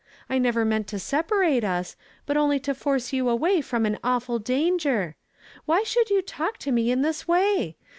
I never meant to separate us, but only to force you away from an au'ful danger. Why should you talk to me in this way?